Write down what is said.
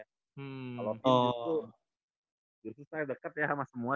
kalau tim itu justru saya deket ya sama semua